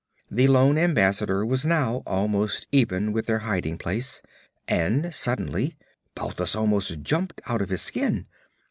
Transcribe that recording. The lone ambassador was now almost even with their hiding place, and suddenly Balthus almost jumped out of his skin.